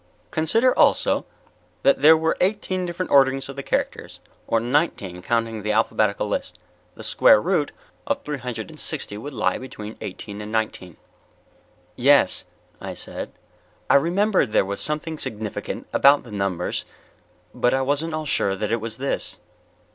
Consider also that there were eighteen different orderings of the characters, or nineteen counting the alphabetical list. The square root of three hundred and sixty would lie between eighteen and nineteen." "Yes," I said. I remembered there was something significant about the numbers, but I wasn't at all sure that it was this.